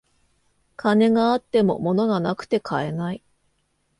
金があっても物がなくて買えない